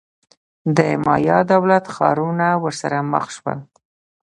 د مایا دولت-ښارونه ورسره مخ شول.